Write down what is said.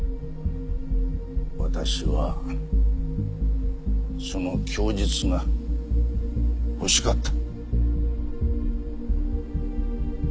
私はその供述が欲しかった。